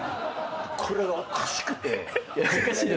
これがおかしくて。